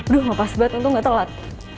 duh ngapas banget untung gak telat